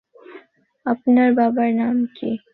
আপনার বাবার নাম কী?